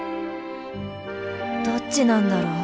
どっちなんだろう？